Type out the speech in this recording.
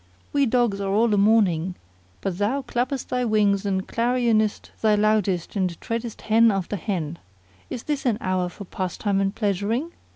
We dogs are all a mourning; but thou clappest thy wings and clarionest thy loudest and treadest hen after hen. Is this an hour for pastime and pleasuring?